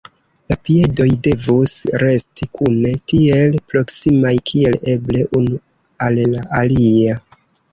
La piedoj devus resti kune, tiel proksimaj kiel eble unu al la alia.